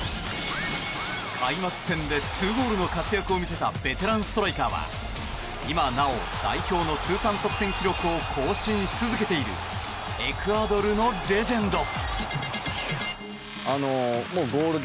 開幕戦で２ゴールの活躍を見せたベテランストライカーは今なお、代表の通算得点記録も更新し続けているエクアドルのレジェンド。